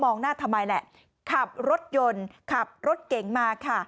หน้าทำไมแหละขับรถยนต์ขับรถเก๋งมาค่ะ